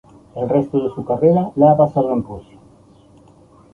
El resto de su carrera la ha pasado en Rusia.